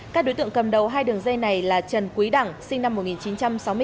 các đối tượng cầm đầu hai đường dây này là trần quý đẳng sinh năm một nghìn chín trăm sáu mươi bốn